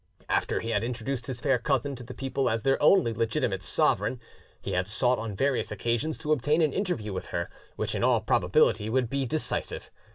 After he had introduced his fair cousin to the people as their only legitimate sovereign, he had sought on various occasions to obtain an interview with her, which in all probability would be decisive.